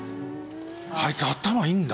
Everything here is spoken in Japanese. あいつ頭いいんだ。